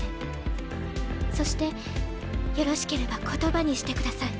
そしてよろしければ言葉にしてください。